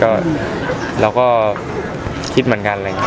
ก็เราก็คิดเหมือนกันอะไรอย่างนี้